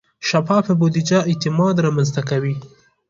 شفافه بودیجه اعتماد رامنځته کوي.